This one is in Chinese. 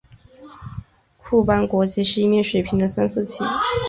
库班国旗是一面水平的三色旗。